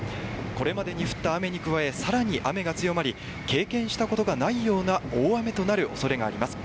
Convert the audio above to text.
これまでに降った雨に加えさらに雨が強まり経験したことがないような大雨となる恐れがあります。